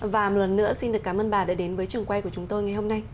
và một lần nữa xin được cảm ơn bà đã đến với trường quay của chúng tôi ngày hôm nay